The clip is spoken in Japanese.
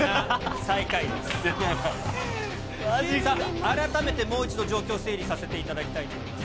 改めて状況、もう一度、整理させていただきたいと思います。